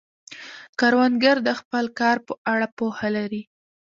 کروندګر د خپل کار په اړه پوهه لري